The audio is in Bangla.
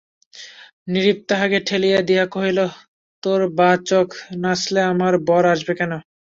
নৃপ তাহাকে ঠেলিয়া দিয়া কহিল, তোর বাঁ চোখ নাচলে আমার বর আসবে কেন?